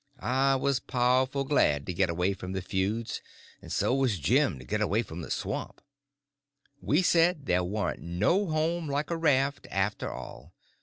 I was powerful glad to get away from the feuds, and so was Jim to get away from the swamp. We said there warn't no home like a raft, after all.